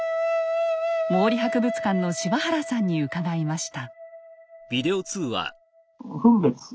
毛利博物館の柴原さんに伺いました。